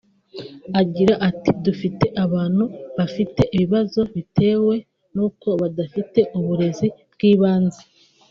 Agrira ati “Dufite abantu bafite ibibazo bitewe nuko badafite uburezi bw’ibanze